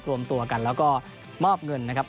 รวมตัวกันแล้วก็มอบเงินนะครับ